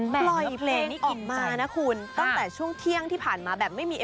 ปล่อยเพลงนี้ออกมานะคุณตั้งแต่ช่วงเที่ยงที่ผ่านมาแบบไม่มี